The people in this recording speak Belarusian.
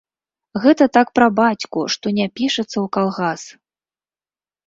Гэта так пра бацьку, што не пішацца ў калгас.